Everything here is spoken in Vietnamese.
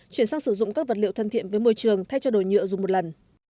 chuyển sang sử dụng các vật liệu thân thiện với môi trường thay cho đồ nhựa dùng một lần